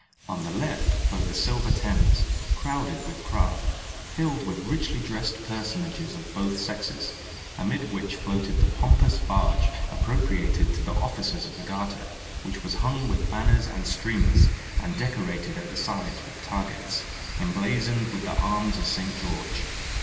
On the left flowed the silver Thames, crowded with craft, filled with richly dressed personages of both sexes, amid which floated the pompous barge appropriated to the officers of the Garter, which was hung with banners and streamers, and decorated at the sides with targets, emblazoned with the arms of St. George.